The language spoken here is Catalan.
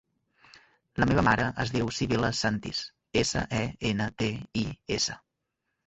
La meva mare es diu Sibil·la Sentis: essa, e, ena, te, i, essa.